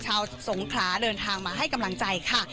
สงขลาเดินทางมาให้กำลังใจค่ะ